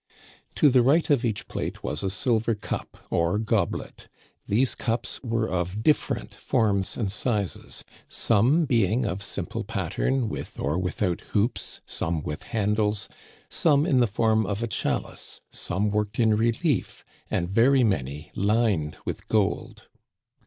To the right of each plate was a silver cup or goblet. These cups were of different forms and sizes, some be ing of simple pattern with or without hoops, some with handles, some in the form of a chalice, some worked in relief, and very many lined with gold.